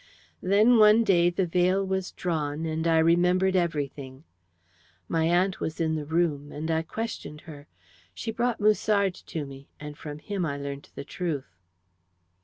Then one day the veil was drawn, and I remembered everything. My aunt was in the room, and I questioned her. She brought Musard to me, and from him I learnt the truth.